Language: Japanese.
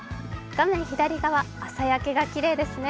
画面左側、朝焼けがきれいですね。